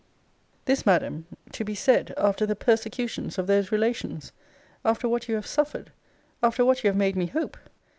This, Madam, to be said, after the persecutions of those relations! After what you have suffered! After what you have made me hope!